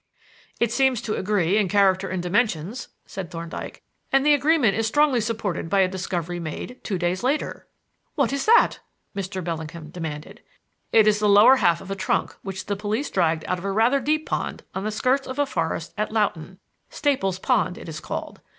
"It seems to agree in character and dimensions," said Thorndyke, "and the agreement is strongly supported by a discovery made two days later." "What is that?" Mr. Bellingham demanded. "It is the lower half of a trunk which the police dragged out of a rather deep pond on the skirts of the forest at Loughton Staple's Pond, it is called.